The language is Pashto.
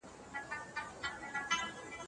معنوي کلتور د مادي کلتور په څېر مهم دی.